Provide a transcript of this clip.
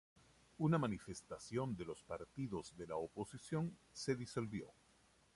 Una manifestación de los partidos de la oposición se disolvió.